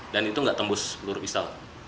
dan itu nggak tembus peluru pisau